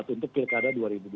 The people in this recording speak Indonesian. untuk pilkada dua ribu dua puluh